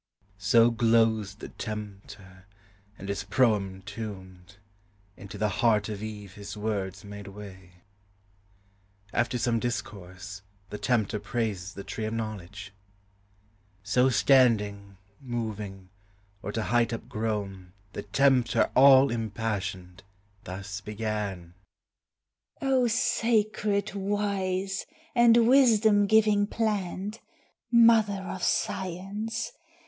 So glozed the tempter, and his proem tuned: Into the heart of Eve his words made way. [After some discourse, the Tempter praises the Tree of Knowledge.] So standing, moving, or to height up grown, The tempter, all impassioned, thus began. "O sacred, wise, and wisdom giving plant, Mother of science!